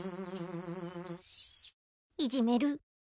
いぢめる？